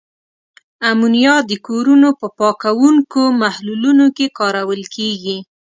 امونیا د کورونو په پاکوونکو محلولونو کې کارول کیږي.